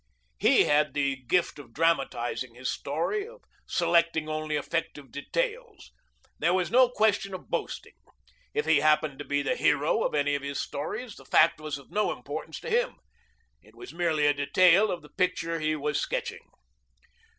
He had the gift of dramatizing his story, of selecting only effective details. There was no suggestion of boasting. If he happened to be the hero of any of his stories the fact was of no importance to him. It was merely a detail of the picture he was sketching.